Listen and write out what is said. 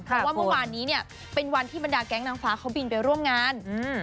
เพราะว่าเมื่อวานนี้เนี่ยเป็นวันที่บรรดาแก๊งนางฟ้าเขาบินไปร่วมงานอืม